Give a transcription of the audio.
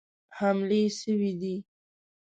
حملې سوي دي.